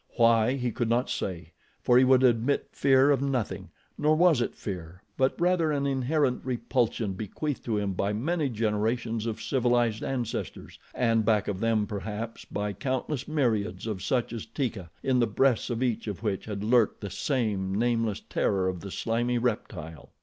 Why, he could not say, for he would admit fear of nothing; nor was it fear, but rather an inherent repulsion bequeathed to him by many generations of civilized ancestors, and back of them, perhaps, by countless myriads of such as Teeka, in the breasts of each of which had lurked the same nameless terror of the slimy reptile.